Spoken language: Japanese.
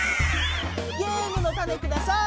ゲームのタネください！